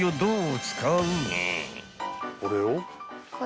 これを。